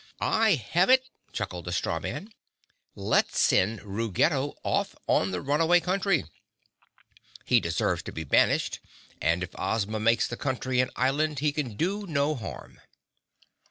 "I have it," chuckled the Straw Man. "Let's send Ruggedo off on the Runaway Country. He deserves to be banished and, if Ozma makes the Country an Island, he can do no harm."